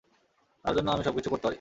তার জন্য আমি সবকিছু করতে পারি।